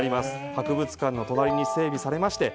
博物館の隣に整備されまして